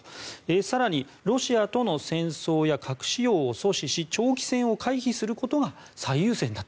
更に、ロシアとの戦闘や核使用を阻止し長期戦を回避することが最優先だと。